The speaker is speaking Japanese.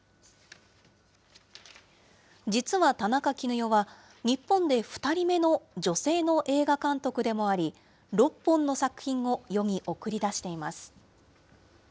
実は田中絹代は、日本で２人目の女性の映画監督でもあり、６本の作品を世に送り出しています。